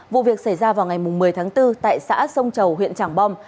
vụ việc xảy ra vào ngày một mươi tháng bốn tại xã sông chầu huyện tràng bom